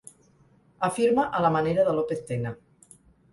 Afirma a la manera de López Tena.